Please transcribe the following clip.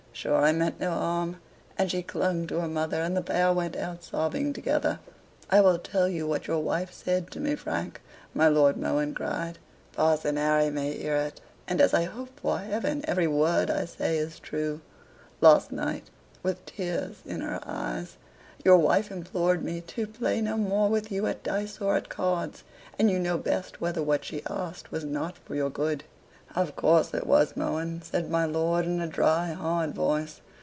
"Sure I meant no harm." And she clung to her mother, and the pair went out sobbing together. "I will tell you what your wife said to me, Frank," my Lord Mohun cried. "Parson Harry may hear it; and, as I hope for heaven, every word I say is true. Last night, with tears in her eyes, your wife implored me to play no more with you at dice or at cards, and you know best whether what she asked was not for your good." "Of course, it was, Mohun," says my lord in a dry hard voice.